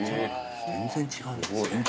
全然違うんですね。